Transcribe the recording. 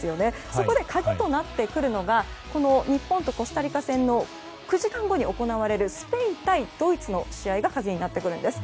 そこで鍵となってくるのが日本とコスタリカ戦の９時間後に行われるスペイン対ドイツの試合が鍵になってくるんです。